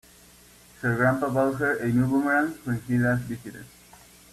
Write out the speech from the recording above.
Her grandpa bought her a new boomerang when he last visited.